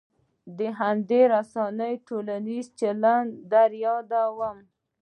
د همدې رسنیو ټولنیز چلن در یادوم.